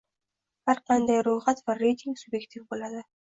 Har qanday ro'yxat va reyting sub'ektiv bo'ladi